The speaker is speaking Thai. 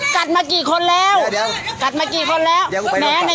กัดมากี่คนแล้วเดี๋ยวเดี๋ยวกัดมากี่คนแล้วแหมอ่ะ